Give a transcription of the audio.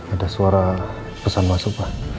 ada suara pesan masuk pak